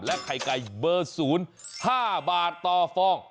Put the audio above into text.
และไข่ไก่เบอร์สูง๕บาทต่อฟอง